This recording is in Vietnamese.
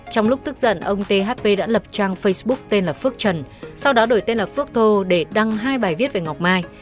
trong lúc tức giận ông thp đã lập trang facebook tên là phước trần sau đó đổi tên là phước thô để đăng hai bài viết về ngọc mai